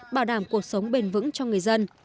bảo đảm cuộc sống bền vững cho người dân